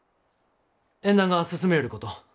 縁談が進みょうること。